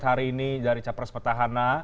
hari ini dari capres petahana